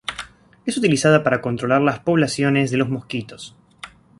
Es utilizada para controlar las poblaciones de los mosquitos.